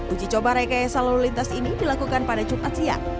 uji coba rekayasa lalu lintas ini dilakukan pada jumat siang